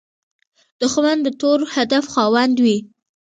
دښمن د تور هدف خاوند وي